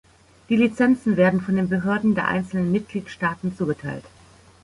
Die Lizenzen werden von den Behörden der einzelnen Mitgliedstaaten zugeteilt.